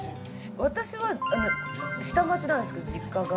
私は下町なんですけど実家が。